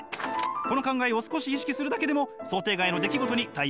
この考えを少し意識するだけでも想定外の出来事に対応しやすくなりますよ！